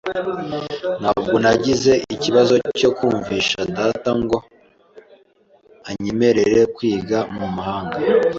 Ntabwo nagize ikibazo cyo kumvisha data ngo anyemerere kwiga mu mahanga.